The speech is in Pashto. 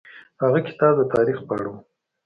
هغه کتاب د تاریخ په اړه و.